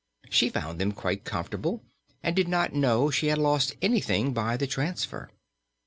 She found them quite comfortable and did not know she had lost anything by the transfer.